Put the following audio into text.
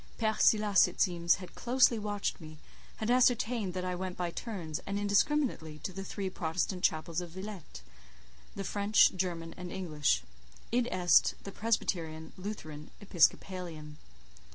Père Silas, it seems, had closely watched me, had ascertained that I went by turns, and indiscriminately, to the three Protestant Chapels of Villette—the French, German, and English—id est, the Presbyterian, Lutheran, Episcopalian.